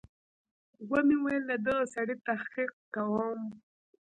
ويې ويل له دغه سړي تحقيق کوم.